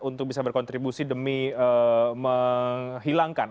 untuk bisa berkontribusi demi menghilangkan